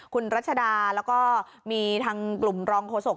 คุณรัชดาแล้วก็มีทางกลุ่มรองโฆษก